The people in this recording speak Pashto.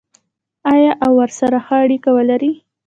آیا او ورسره ښه اړیکه ولري؟